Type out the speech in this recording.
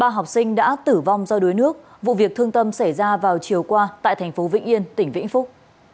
ba học sinh đã tử vong do đuối nước vụ việc thương tâm xảy ra vào chiều qua tại thành phố vĩnh yên tỉnh vĩnh phúc